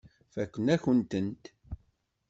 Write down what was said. Fakeɣ-akent-tent.